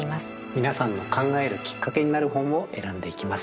皆さんの考えるきっかけになる本を選んでいきます。